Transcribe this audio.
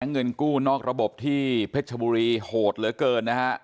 เงินกู้นอกระบบที่เพชรชบุรีโหดเหลือเกินนะฮะ